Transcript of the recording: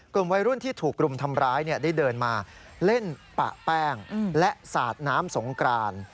กลุ่มวัยรุ่นที่ถูกรุมทำร้ายได้เดินมาเล่นปะแป้งและสาดน้ำสงกราน